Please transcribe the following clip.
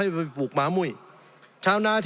สงบจนจะตายหมดแล้วครับ